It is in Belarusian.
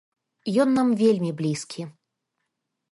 Ён нам вельмі блізкі.